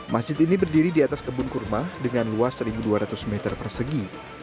masjid ini berdiri di atas kebun kurma dengan luas satu dua ratus meter persegi